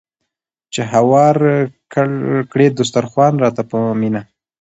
چې هوار کړي دسترخوان راته په مینه